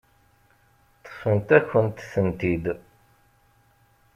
Ṭṭfent-akent-tent-id.